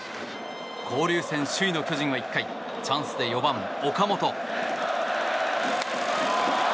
交流戦首位の巨人は１回チャンスで４番、岡本。